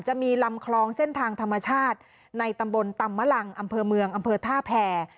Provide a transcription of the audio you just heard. จะมีลำคลองเส้นทางธรรมชาติในตำบลตำมะลังอำเภอเมืองอำเภอท่าแผ่